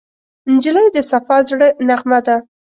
نجلۍ د صفا زړه نغمه ده.